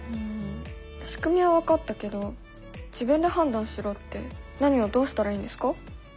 しくみは分かったけど自分で判断しろって何をどうしたらいいんですか？